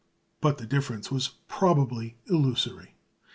But the difference was probably illusory.